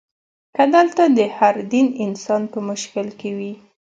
که دلته د هر دین انسان په مشکل کې وي.